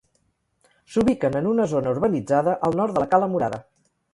S'ubiquen en una zona urbanitzada, al nord de la Cala Murada.